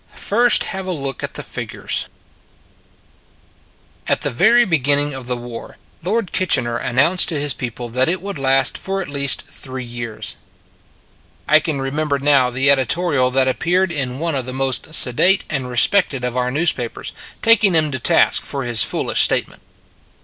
FIRST HAVE A LOOK AT THE FIGURES AT the very beginning of the war Lord Kitchener announced to his people that it would last for at least three years. I can remember now the editorial that appeared in one of the most sedate and respected of our newspapers, taking him to task for his foolish statement.